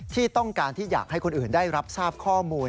ที่ต้องการที่อยากให้คนอื่นได้รับทราบข้อมูล